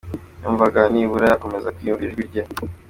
Yumvaga nibura yakomeza kwiyumvira ijwi rye .